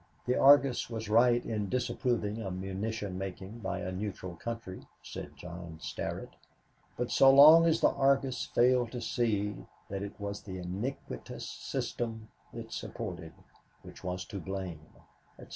The Argus was right in disapproving of munition making by a neutral country, said John Starrett, but so long as the Argus failed to see that it was the iniquitous system it supported which was to blame, etc.